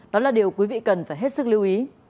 đó là điều quý vị cần phải hết sức lưu ý